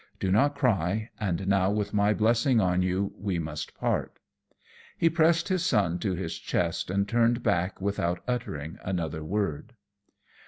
Do not cry; and now, with my blessing on you, we must part." He pressed his son to his breast, and turned back without uttering another word.